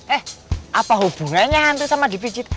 eh apa hubungannya hantu sama divisit